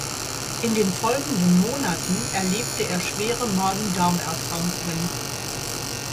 In den folgenden Monaten erlebte er schwere Magen-Darm-Erkrankungen.